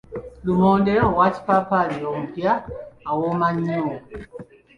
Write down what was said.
Lumonde owa kipaapaali omupya awooma nnyo.